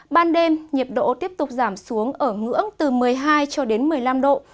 ban đêm nhiệt độ tiếp tục giảm xuống ở ngưỡng từ một mươi hai cho đến một mươi năm độ